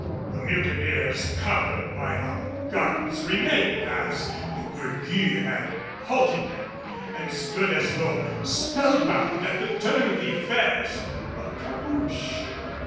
The mutineers, covered by our guns, remained as de Gourgues had halted them, and stood as though spellbound at the turn of the affairs of Cabouche.